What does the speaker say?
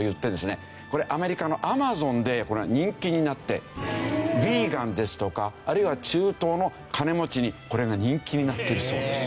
これアメリカのＡｍａｚｏｎで人気になってヴィーガンですとかあるいは中東の金持ちにこれが人気になっているそうです。